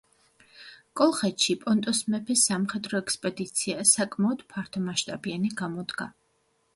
კოლხეთში პონტოს მეფეს სამხედრო ექსპედიცია საკმაოდ ფართომასშტაბიანი გამოდგა.